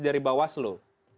dari mbak waslu